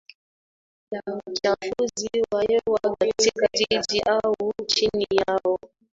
la uchafuzi wa hewa katika jiji au nchi yako